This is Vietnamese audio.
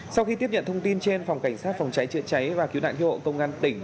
sau khi tiếp nhận thông tin trên phòng cảnh sát phòng cháy trợ cháy và cứu nạn hiệu công an tỉnh